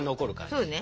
そうね。